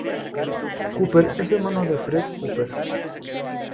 Cooper es hermano de Fred Cooper.